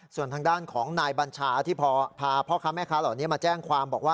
ส่วนทางด้านของนายบัญชาที่พอพาพ่อค้าแม่ค้าต่อมาแจ้งความ